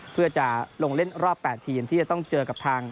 เพื่อจะลงเล่นรอบ๘ทีมที่จะต้องเจอกับทาง